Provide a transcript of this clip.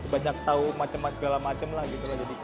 semacam macem lah segala macem lah gitu